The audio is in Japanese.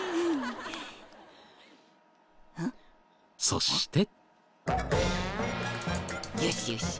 そして。